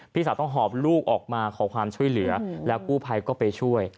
สาวต้องหอบลูกออกมาขอความช่วยเหลือแล้วกู้ภัยก็ไปช่วย